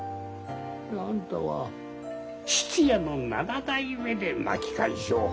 あんたは質屋の７代目で巻き返しを果たした。